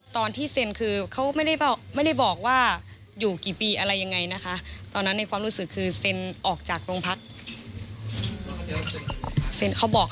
ตอนที่เซ็นคือเขาไม่ได้บอกว่าอยู่กี่ปีอะไรยังไงนะคะตอนนั้นในความรู้สึกคือเซ็นออกจากโรงพัก